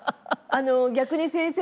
逆に先生。